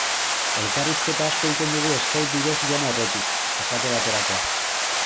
Elkarrizketa asko egiten dugu Skype bidez joan aurretik, esate baterako.